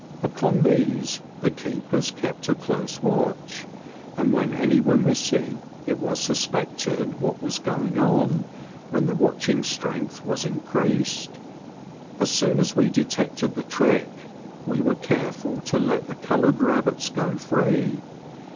Upon these the keepers kept a close watch, and when any were missing it was suspected what was going on, when the watching strength was increased. As soon as we detected the tricky we were careful to let the coloured rabbits go free.